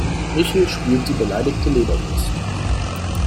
Michel spielt die beleidigte Leberwurst.